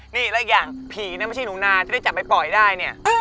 นี่แล้วอีกอย่างผีนะไม่ใช่หนูนาจะได้จับไปปล่อยได้เนี่ย